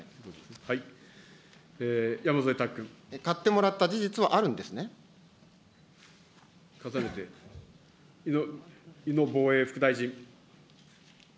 買ってもらった事実はあるん井野防衛副大臣。